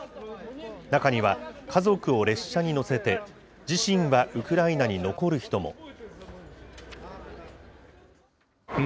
中には、家族を列車に乗せて、自身はウクライナに残る人も。